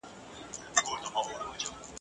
د هجر داغ مي زخم ناصور دی ..